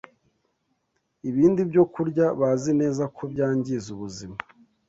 ibindi byokurya bazi neza ko byangiza ubuzima